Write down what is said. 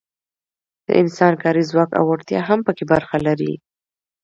د انسان کاري ځواک او وړتیا هم پکې برخه لري.